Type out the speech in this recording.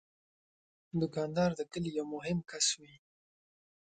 دوکاندار د کلي یو مهم کس وي.